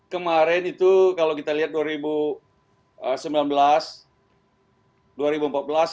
kemarin itu kalau kita lihat